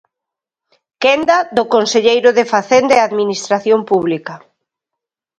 Quenda do conselleiro de Facenda e Administración Pública.